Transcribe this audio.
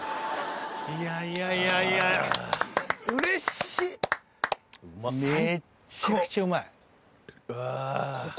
いやいやいやいや嬉しい最高！